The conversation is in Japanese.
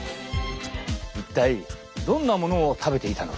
一体どんなものを食べていたのか？